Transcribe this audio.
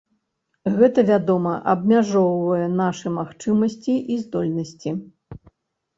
Гэта, вядома, абмяжоўвае нашы магчымасці і здольнасці.